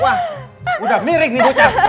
wah udah miring nih bocah